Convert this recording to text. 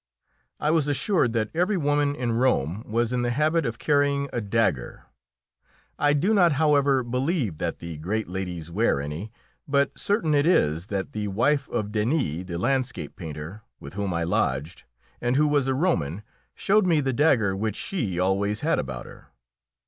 I was assured that every woman in Rome was in the habit of carrying a dagger. I do not, however, believe that the great ladies wear any, but certain it is that the wife of Denis, the landscape painter, with whom I lodged, and who was a Roman, showed me the dagger which she always had about her.